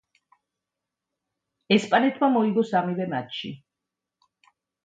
ესპანეთმა მოიგო სამივე მატჩი.